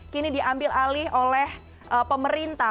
kini diambil alih oleh pemerintah